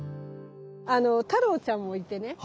あの太郎ちゃんもいてね